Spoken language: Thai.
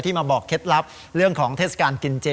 มาบอกเคล็ดลับเรื่องของเทศกาลกินเจ